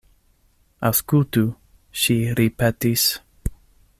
Aŭskultu, ŝi ripetis.